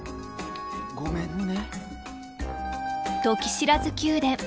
ごめんね。